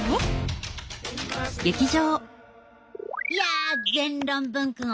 いや全論文くん